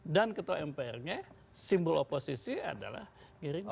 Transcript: dan ketua mpr nya simbol oposisi adalah gerindra